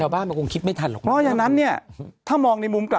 เพราะฉะนั้นเนี่ยถ้ามองในมุมกลับ